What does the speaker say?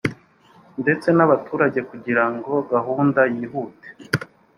ndetse n’abaturage kugira ngo gahunda yihute